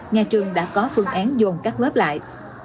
nhà trường đã có phương án dồn các lớp lại